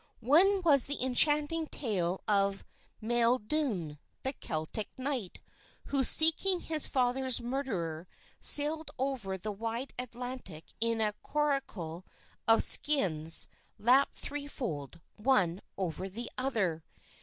One was the enchanting tale of Maeldune, the Celtic Knight, who seeking his father's murderer, sailed over the wide Atlantic in a coracle of skins lapped threefold, one over the other.